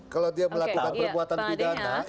kalau dia melakukan perbuatan pidana